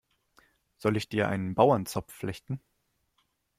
Soll ich dir einen Bauernzopf flechten?